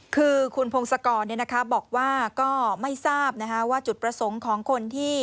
คือคุณพงศกรบอกว่าก็ไม่ทราบว่าจุดประสงค์ของคนที่